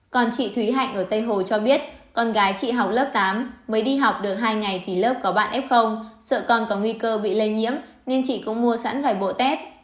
còn chị thúy hạnh ở tây hồ cho biết con gái chị học lớp tám mới đi học được hai ngày thì lớp có bạn f sợ con có nguy cơ bị lây nhiễm nên chị cũng mua sẵn ngoài bộ test